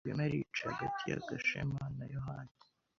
Muri icyo gihe, Rwema yari yicaye hagati ya Gashema na Yohana.